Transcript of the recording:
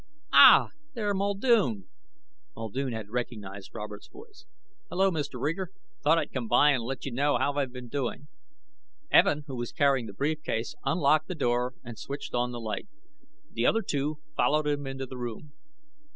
"Ah, there, Muldoon," Muldoon had recognized Robert's voice. "Hello, Mr. Reeger. Thought I'd come by and let you know how I've been doing." Evin, who was carrying the brief case, unlocked the door and switched on the light. The other two followed him into the room.